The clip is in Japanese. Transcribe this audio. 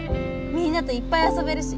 みんなといっぱい遊べるし。